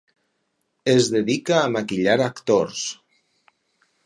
Es dedica a maquillar actors.